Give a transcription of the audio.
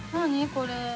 これ。